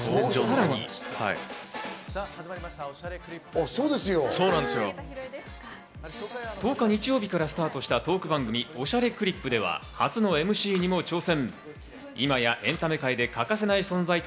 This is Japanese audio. そして、さらに１０日、日曜日からスタートしたトーク番組『おしゃれクリップ』では、初のＭＣにも挑戦。